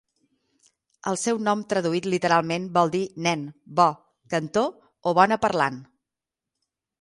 El seu nom traduït literalment vol dir 'nen', 'bo', 'cantor' o 'bona parlant'.